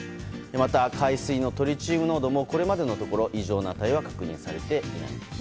また海水のトリチウム濃度もこれまでのところ異常な値は確認されていません。